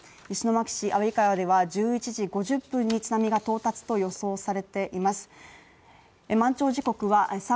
石巻市では１１時５０分に津波が到達と予想されています。